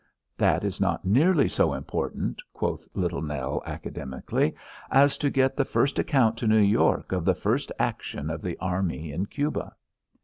"That is not nearly so important," quoth little Nell, academically, "as to get the first account to New York of the first action of the army in Cuba."